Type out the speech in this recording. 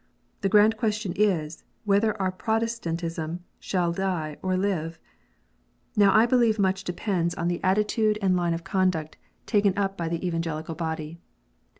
The grand question is, whether our Protestant ism shall die or live ? Now I believe much depends on the 20 KNOTS UNTIED. attitude and line of conduct taken up by the Evangelical body.